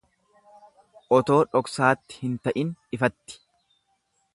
Otoo dhoksaatti hin ta'in ifatti.